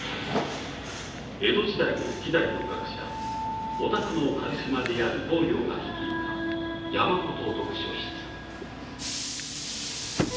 江戸時代の稀代の学者オタクのカリスマである亡羊が率いた山本読書室。